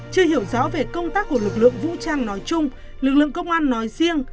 chưa hiểu rõ về công tác của lực lượng vũ trang nói chung lực lượng công an nói riêng